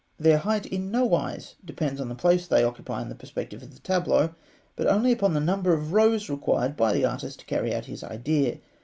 Their height in no wise depends on the place they occupy in the perspective of the tableau, but only upon the number of rows required by the artist to carry out his idea.